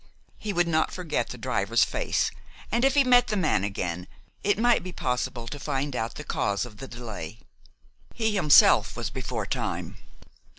He would not forget the driver's face, and if he met the man again, it might be possible to find out the cause of the delay. He himself was before time.